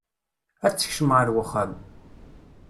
Ad tekcem ar wexxam.